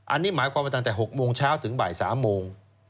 อันนี้หมายความว่าตั้งแต่๖โมงเช้าถึงบ่าย๓โมง